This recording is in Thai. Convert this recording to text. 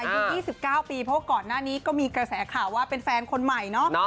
อายุ๒๙ปีเพราะว่าก่อนหน้านี้ก็มีกระแสข่าวว่าเป็นแฟนคนใหม่เนาะ